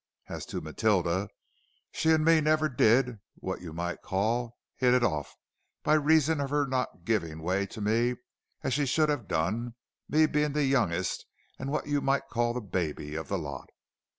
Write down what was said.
As to Matilder, she an' me never did, what you might call, hit it orf, by reason of 'er not givin' way to me, as she should ha' done, me bein' the youngest and what you might call the baby of the lot.